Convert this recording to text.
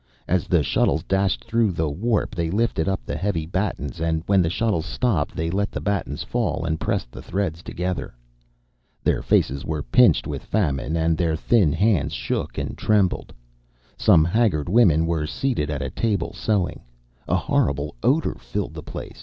As the shuttles dashed through the warp they lifted up the heavy battens, and when the shuttles stopped they let the battens fall and pressed the threads together. Their faces were pinched with famine, and their thin hands shook and trembled. Some haggard women were seated at a table sewing. A horrible odour filled the place.